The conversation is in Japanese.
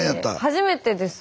初めてです。